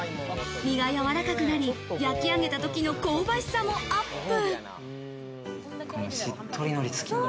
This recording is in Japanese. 身がやわらかくなり、焼き上げた時の香ばしさもアップ。